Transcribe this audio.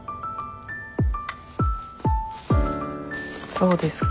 そうですか。